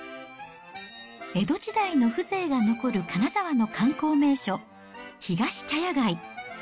江戸時代の風情が残る金沢の観光名所、ひがし茶屋街。